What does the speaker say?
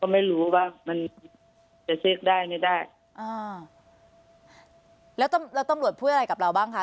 ไม่รู้ว่ามันจะเช็คได้ไม่ได้อ่าแล้วตำรวจพูดอะไรกับเราบ้างคะ